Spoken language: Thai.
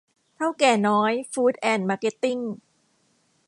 เถ้าแก่น้อย ฟู๊ดแอนด์มาร์เก็ตติ้ง